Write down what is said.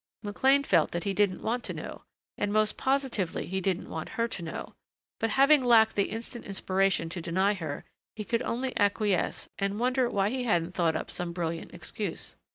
McLean felt that he didn't want to know. And most positively he didn't want her to know. But having lacked the instant inspiration to deny her, he could only acquiesce and wonder why he hadn't thought up some brilliant excuse.